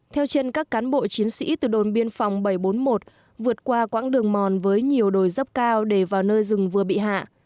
theo chân các cán bộ chiến sĩ từ đồn biên phòng bảy trăm bốn mươi một vượt qua quãng đường mòn với nhiều đồi dốc cao để vào nơi rừng vừa bị hạ